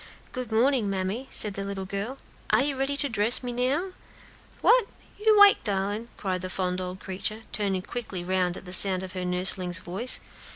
"Good morning, mammy," said the little girl. "Are you ready to dress me now?" "What, you 'wake, darlin'?" cried the fond old creature, turning quickly round at the sound of her nursling's voice.